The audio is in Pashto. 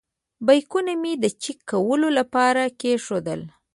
بیکونه مې د چېک کولو لپاره کېښودل.